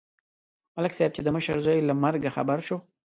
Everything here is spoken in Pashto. ملک صاحب چې د مشر زوی له مرګه خبر شو.